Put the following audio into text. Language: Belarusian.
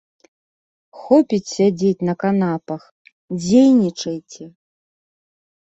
Хопіць сядзець на канапах, дзейнічайце!